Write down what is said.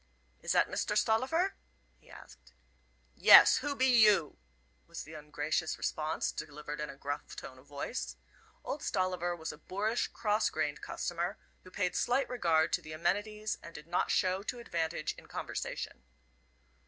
"Is that Mister Stollifer?" he asked. "Yes; who be you?" was the ungracious response, delivered in a gruff tone of voice. Old Stolliver was a boorish, cross grained customer, who paid slight regard to the amenities, and did not show to advantage in conversation.